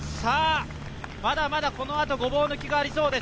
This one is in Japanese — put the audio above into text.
まだまだこのあと、ごぼう抜きがありそうです。